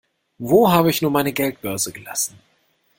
Wo habe ich nur meine Geldbörse gelassen?